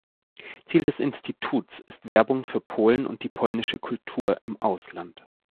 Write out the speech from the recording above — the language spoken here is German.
Ziel des Instituts ist Werbung für Polen und die polnische Kultur im Ausland.